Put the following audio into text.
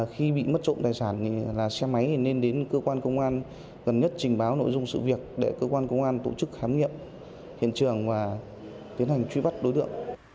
khi bị mất trộm tài sản thì là xe máy thì nên đến cơ quan công an gần nhất trình báo nội dung sự việc để cơ quan công an tổ chức khám nghiệm hiện trường và tiến hành truy bắt đối tượng